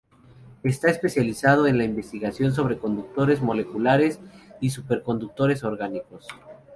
Está especializado en la investigación sobre conductores moleculares y superconductores orgánicos.